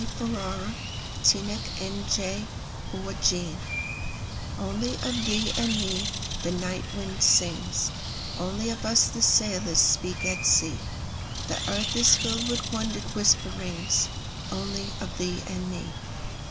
Louis Untermeyer Only of Thee and Me ONLY of thee and me the night wind sings, Only of us the sailors speak at sea, The earth is filled with wondered whisperingsOnly of thee and me.